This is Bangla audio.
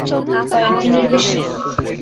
কয়েক দিনের বেশি?